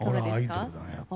「アイドル」だね。